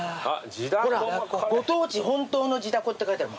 ほら「ご当地本当の地だこ」って書いてある。